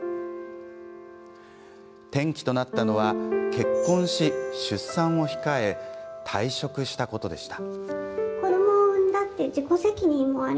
転機となったのは結婚し出産を控え退職したことでした。